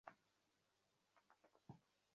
বউদিদি এসে আজ সেই ভয়টা ওর মন থেকে ভাঙালে বুঝি!